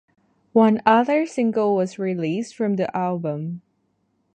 One other single was released from the album.